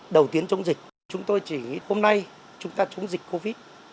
đầu tiên chống dịch chúng tôi chỉ hôm nay chúng ta chống dịch covid